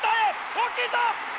大きいぞ！